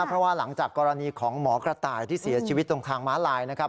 เพราะว่าหลังจากกรณีของหมอกระต่ายที่เสียชีวิตตรงทางม้าลายนะครับ